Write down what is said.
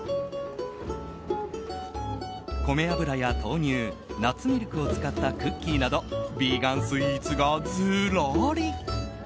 米油や豆乳、ナッツミルクを使ったクッキーなどビーガンスイーツがずらり。